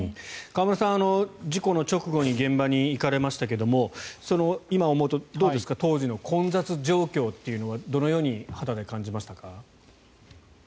河村さん、事故の直後に現場に行かれましたが今思うと、どうですか当時の混雑状況というのはどのように肌で感じましたか？